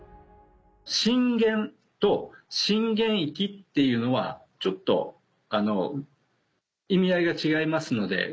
震源と震源域っていうのはちょっと意味合いが違いますので。